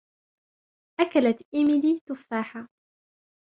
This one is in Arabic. أكلت إيميلي تفاحةً.